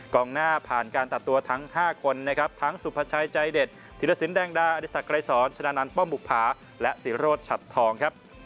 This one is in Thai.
กองหน้าผ่านการตัดตัวทั้ง๕คนทั้งสุพชายใจเดชธิรสินแดงดาอธิษฐกรายสอนชนะนันต์ป้อมบุคพรและศรีโรธชัดทอง